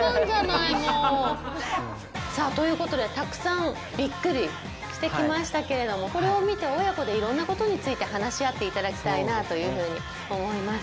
さぁということでたくさんびっくりしてきましたけれどもこれを見て親子でいろんなことについて話し合っていただきたいなというふうに思います。